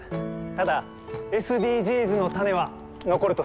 ただＳＤＧｓの種は残ると信じてます。